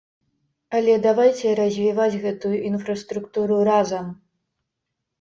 Але давайце развіваць гэтую інфраструктуру разам.